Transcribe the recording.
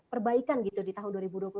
perbaikan gitu di tahun dua ribu dua puluh satu